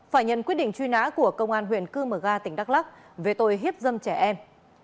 phải nhận quyết định truy nã của công an huyện cư mờ ga tỉnh đắk lắc về tội hiếp dâm trẻ em